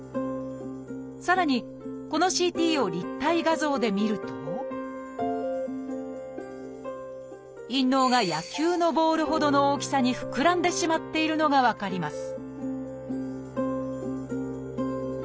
さらにこのＣＴを立体画像で見ると陰嚢が野球のボールほどの大きさにふくらんでしまっているのが分かります